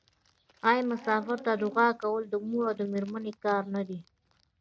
آیا مسافر ته دعا کول د مور او میرمنې کار نه دی؟